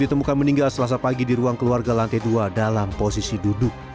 ditemukan meninggal selasa pagi di ruang keluarga lantai dua dalam posisi duduk